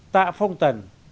tạ phong tần